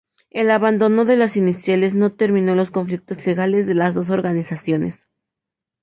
El abandono de las iniciales no terminó los conflictos legales de las dos organizaciones.